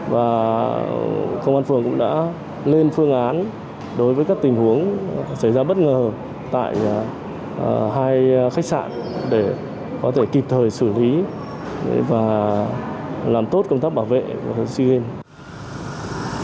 và công an phường cũng đã lên phương án đối với các tình huống xảy ra bất ngờ tại hai khách sạn để có thể kịp thời xử lý và làm tốt công tác bảo vệ sea games